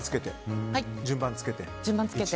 順番をつけて？